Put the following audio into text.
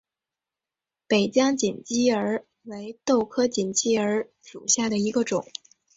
北疆锦鸡儿为豆科锦鸡儿属下的一个种。